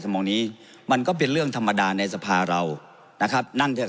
มองนี้มันก็เป็นเรื่องธรรมดาในสภาเรานะครับนั่งเทือก